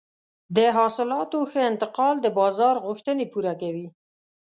د حاصلاتو ښه انتقال د بازار غوښتنې پوره کوي.